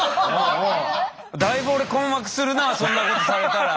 だいぶ俺困惑するなそんなことされたら。